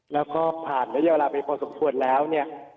แล้วก็ผ่านระยะเวลาไปพอสมควรแล้วเนี่ย